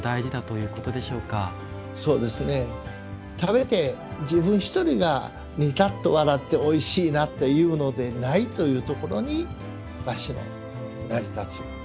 食べて自分１人がにたっと笑っておいしいなっていうのでないというところにお菓子が成り立つ。